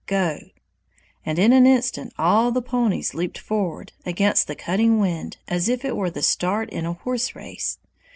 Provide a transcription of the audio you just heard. (Go) and in an instant all the ponies leaped forward against the cutting wind, as if it were the start in a horse race.